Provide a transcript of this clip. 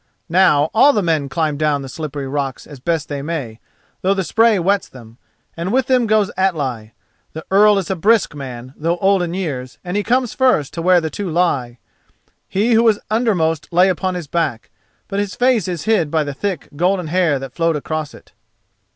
Now all the men climb down the slippery rocks as best they may, though the spray wets them, and with them goes Atli. The Earl is a brisk man, though old in years, and he comes first to where the two lie. He who was undermost lay upon his back, but his face is hid by the thick golden hair that flowed across it.